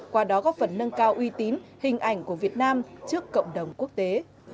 qua đó góp phần nâng cao uy tín hình ảnh của việt nam trước cộng đồng quốc tế